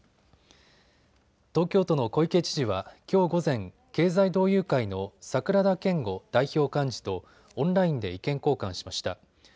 東京都の小池知事はきょう午前、経済同友会の櫻田謙悟代表幹事とオンラインで意見交換しました。